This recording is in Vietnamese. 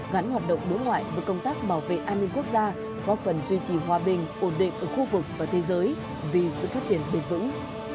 gắn hoạt động đối ngoại với công tác bảo vệ an ninh quốc gia góp phần duy trì hòa bình ổn định ở khu vực và thế giới vì sự phát triển bền vững